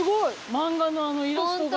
マンガのあのイラストが。